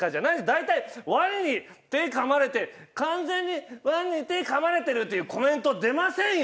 大体ワニに手かまれて「完全にワニに手かまれてる」っていうコメント出ませんよ